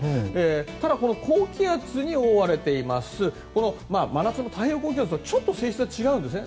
ただ高気圧に覆われています真夏の太平洋高気圧とちょっと性質が違うんですね。